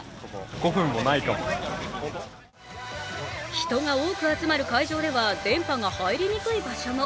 人が多く集まる会場では電波が入りにくい箇所も。